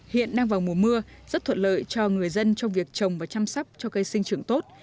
hiện đang vào mùa mưa rất thuận lợi cho người dân trong việc trồng và chăm sóc cho cây sinh trưởng tốt